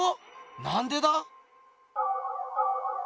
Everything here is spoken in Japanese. なんでだ？